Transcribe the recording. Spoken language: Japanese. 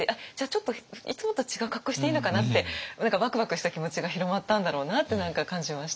ちょっといつもと違う格好していいのかなって何かワクワクした気持ちが広まったんだろうなって感じました。